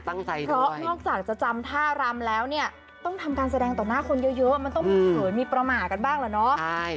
เพราะนอกจากจะจำท่ารำแล้วเนี่ยต้องทำการแสดงต่อหน้าคนเยอะมันต้องมีเขินมีประมาทกันบ้างเหรอเนาะ